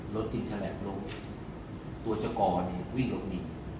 รถจริงแฉลกลงตัวจักรวิ่งออกหนี